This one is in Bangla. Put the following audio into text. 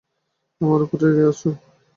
আমার ওপর রেগে আছো?